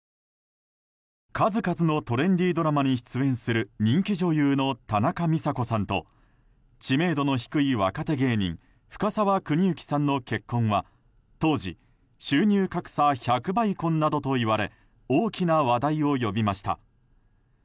数々のトレンディードラマに出演する人気女優の田中美佐子さんと知名度の低い若手芸人深沢邦之さんの結婚は当時、収入格差１００倍婚などといわれ大きな話題を呼びました。